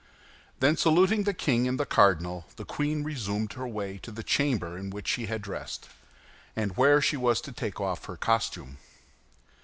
Then saluting the king and the cardinal, the queen resumed her way to the chamber in which she had dressed, and where she was to take off her costume.